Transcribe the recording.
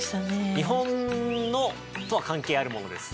日本とは関係あるものです。